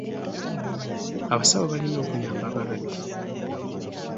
Abasawo balina okuyamba abalwadde.